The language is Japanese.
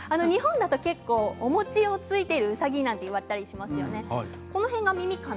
日本だと結構、お餅をついているうさぎなんて言われたりしますよね。